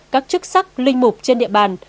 các chức sắc linh mục trên địa bàn